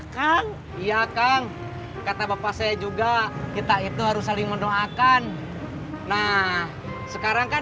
kang ya kang kata bapak saya juga kita itu harus saling mendoakan nah sekarang kan